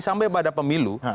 sampai pada pemilu